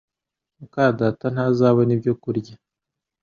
muka data ntazabona ibyo kurya